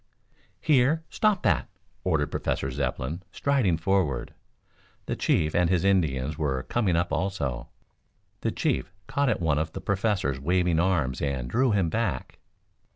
"Here! Stop that!" ordered Professor Zepplin, striding forward. The chief and his Indians were coming up also. The chief caught at one of the Professor's waving arms and drew him back.